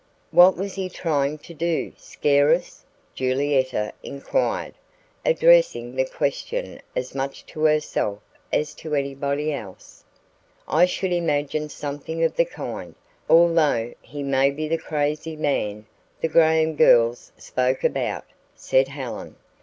"What was he trying to do scare us?" Julietta inquired, addressing the question as much to herself as to anybody else. "I should imagine something of the kind, although he may be the crazy man the Graham girls spoke about," said Helen.